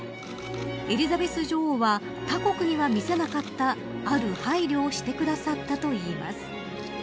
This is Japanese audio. エリザベス女王は他国には見せなかったある配慮をしてくださったといいます。